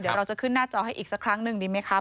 เดี๋ยวเราจะขึ้นหน้าจอให้อีกสักครั้งหนึ่งดีไหมครับ